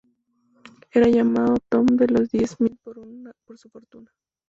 Era llamado "Tom de los Diez Mil por su fortuna".